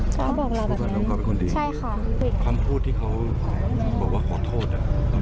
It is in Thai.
เขาบอกเราเป็นคนดีใช่ค่ะคำพูดที่เขาบอกว่าขอโทษอ่ะ